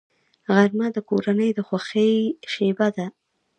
غرمه د کورنۍ د خوښۍ شیبه ده